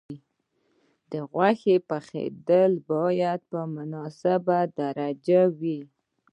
د غوښې پخېدل باید په مناسبه درجه وي.